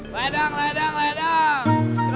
ledang ledang ledang